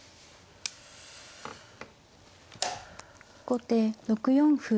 後手６四歩。